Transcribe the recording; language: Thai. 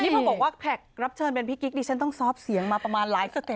นี่มาบอกว่าแขกรับเชิญเป็นพี่กิ๊กดิฉันต้องซอฟต์เสียงมาประมาณหลายสเต็